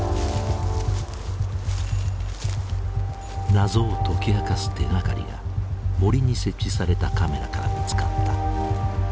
謎を解き明かす手がかりが森に設置されたカメラから見つかった。